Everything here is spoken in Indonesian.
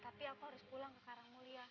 tapi aku harus pulang ke karangmulia